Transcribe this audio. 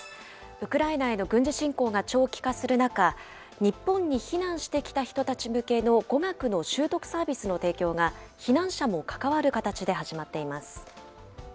ウクライナへの軍事侵攻が長期化する中、日本に避難してきた人たち向けの語学の習得サービスの提供が、避難者も関わる形で始まっています。